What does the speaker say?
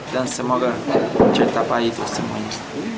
dan semoga cerita baik itu semuanya